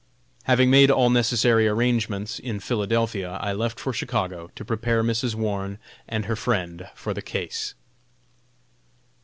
Having made all necessary arrangements in Philadelphia, I left for Chicago to prepare Mrs. Warne and her friend for the case.